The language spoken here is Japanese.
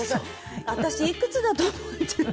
私いくつだと思ってる？